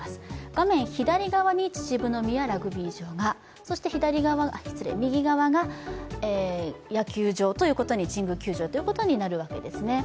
画面左側に秩父宮ラグビー場が、そして右側が野球場、神宮球場ということですね。